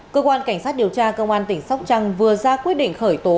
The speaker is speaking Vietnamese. cơ quan cảnh sát điều tra cơ quan tỉnh sóc trăng vừa ra quyết định khởi tố